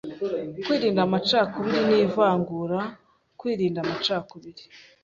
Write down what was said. Kwirinda amacakubiri n’ivangura Kwirinda amacakubiri